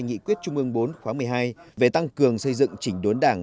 nghị quyết trung ương bốn khóa một mươi hai về tăng cường xây dựng chỉnh đốn đảng